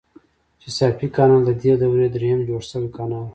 چیساپیک کانال ددې دورې دریم جوړ شوی کانال و.